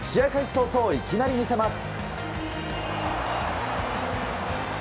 早々、いきなり見せます。